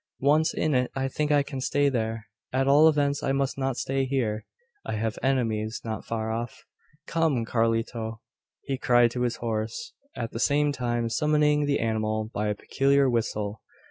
Once in it, I think I can stay there. At all events, I must not stay here. I have enemies, not far off. Come, Carlito!" he cried to his horse, at the same time summoning the animal by a peculiar whistle.